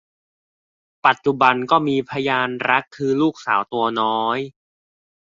ปัจจุบันก็มีพยานรักคือลูกสาวตัวน้อย